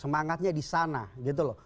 semangatnya di sana gitu loh